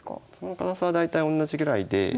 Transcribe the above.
堅さは大体同じぐらいで。